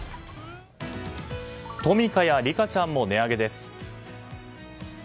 トミカやリカちゃんも値上げです。